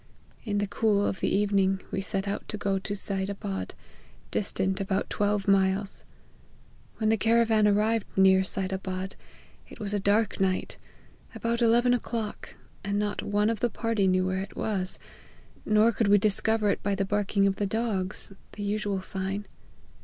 In the cool of the evening we set out to go to Seid Abad, distant about twelve miles. When the caravan arrived near Seid Abad, it was a dark night, about eleven o'clock, and not one of the party knew where it was, nor could we discover it by the barking of the dogs, the usual sign.